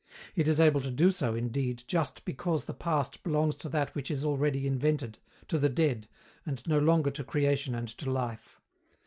It is able to do so, indeed, just because the past belongs to that which is already invented, to the dead, and no longer to creation and to life.